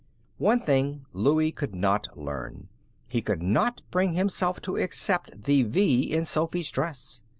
One thing Louie could not learn. He could not bring himself to accept the V in Sophy's dress.